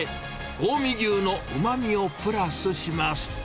近江牛のうまみをプラスします。